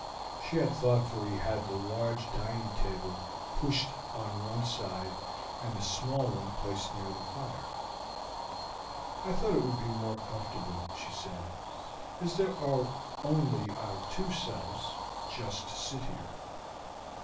She had thoughtfully had the large dining table pushed on one side, and a small one placed near the fire. "I thought it would be more comfortable," she said, "as there are only our two selves, just to sit here."